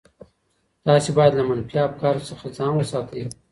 تاسي باید له منفي افکارو څخه ځان وساتئ.